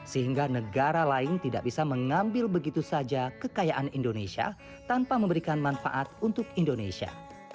sehingga negara lain tidak bisa mengambil begitu saja kekayaan indonesia tanpa memberikan manfaat untuk indonesia